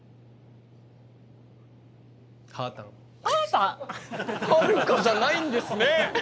「はるか」じゃないんですね。